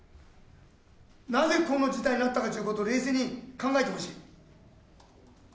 なぜこの事態になったかということを冷静に考えてほしい。